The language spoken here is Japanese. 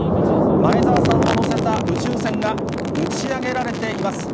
前澤さんを乗せた宇宙船が打ち上げられています。